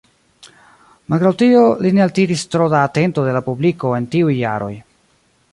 Malgraŭ tio, li ne altiris tro da atento de la publiko en tiuj jaroj.